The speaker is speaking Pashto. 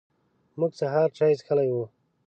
موږ سهار چای څښلی و.